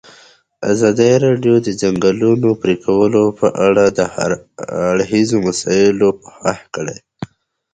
ازادي راډیو د د ځنګلونو پرېکول په اړه د هر اړخیزو مسایلو پوښښ کړی.